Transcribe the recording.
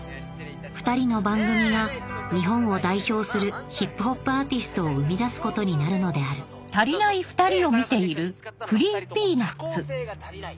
ふたりの番組が日本を代表するヒップホップアーティストを生み出すことになるのである探した結果見つかったのが２人とも社交性が足りない。